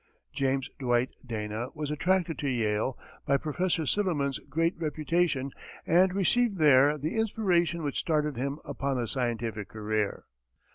James Dwight Dana was attracted to Yale by Prof. Silliman's great reputation and received there the inspiration which started him upon a scientific career.